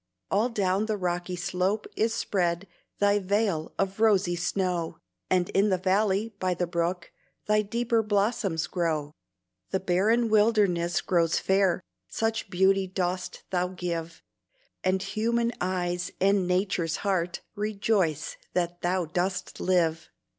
All down the rocky slope is spread Thy veil of rosy snow, And in the valley by the brook, Thy deeper blossoms grow. The barren wilderness grows fair, Such beauty dost thou give; And human eyes and Nature's heart Rejoice that thou dost live.